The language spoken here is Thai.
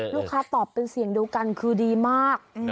ตอบเป็นเสียงเดียวกันคือดีมาก